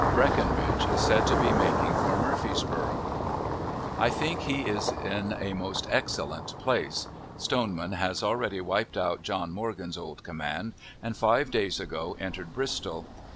Breckenridge is said to be making for Murfreesboro'. I think he is in a most excellent place. Stoneman has nearly wiped out John Morgan's old command, and five days ago entered Bristol.